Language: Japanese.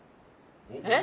え？